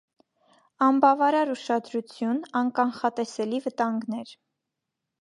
Անբավարար ուշադրություն, անկանխատեսելի վտանգներ։